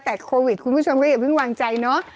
แต่โควิดคุณผู้ชมก็อย่าเพิ่งวางใจเนอะ